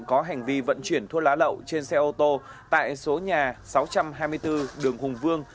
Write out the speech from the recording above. có hành vi vận chuyển thuốc lá lậu trên xe ô tô tại số nhà sáu trăm hai mươi bốn đường hùng vương